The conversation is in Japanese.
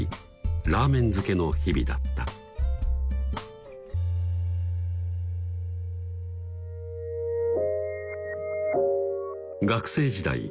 ラーメン漬けの日々だった学生時代